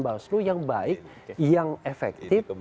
bawaslu yang baik yang efektif